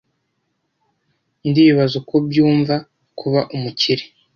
Ndibaza uko byumva kuba umukire.